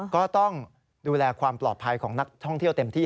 ก็ต้องดูแลความปลอดภัยของนักท่องเที่ยวเต็มที่